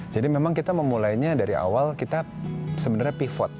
memang kita memulainya dari awal kita sebenarnya pivot